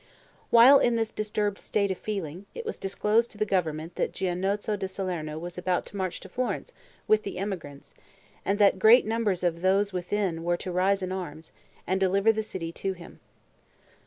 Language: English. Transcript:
While in this disturbed state of feeling, it was disclosed to the government that Gianozzo da Salerno was about to march to Florence with the emigrants, and that great numbers of those within were to rise in arms, and deliver the city to him.